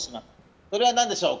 それは何でしょうか？